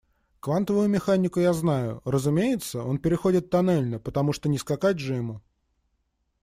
Квантовую механику я знаю, разумеется, он переходит тоннельно, потому что не скакать же ему.